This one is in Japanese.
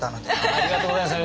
ありがとうございます。